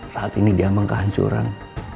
saat ini diambang kehancuran